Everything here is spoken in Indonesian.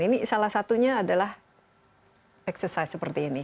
ini salah satunya adalah eksersis seperti ini